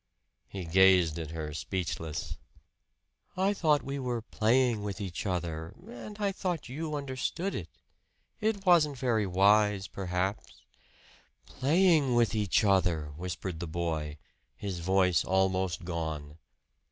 He gazed at her, speechless. "I thought we were playing with each other; and I thought you understood it. It wasn't very wise, perhaps " "Playing with each other!" whispered the boy, his voice almost gone.